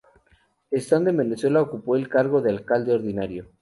Estando en Venezuela ocupó el cargo de alcalde ordinario.